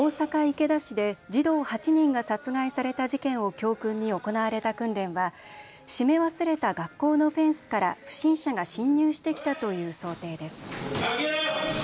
池田市で児童８人が殺害された事件を教訓に行われた訓練は閉め忘れた学校のフェンスから不審者が侵入してきたという想定です。